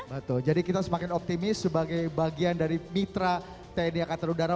betul jadi kita semakin optimis sebagai bagian dari mitra tni angkatan udara